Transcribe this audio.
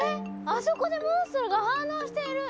あそこでモンストロが反応している！